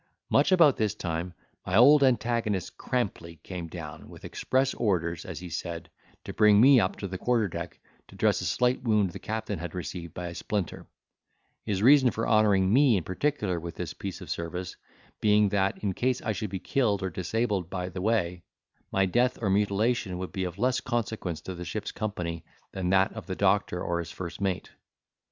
Much about this time, my old antagonist, Crampley, came down, with express orders, as he said, to bring me up to the quarter deck, to dress a slight wound the captain had received by a splinter: his reason for honouring me in particular with this piece of service, being, that in case I should be killed or disabled by the way, my death or mutilation would be of less consequence to the ship's company than that of the doctor or his first mate.